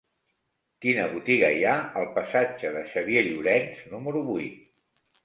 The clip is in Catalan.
Quina botiga hi ha al passatge de Xavier Llorens número vuit?